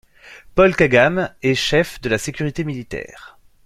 Paul Kagame est chef de la Sécurité militaire.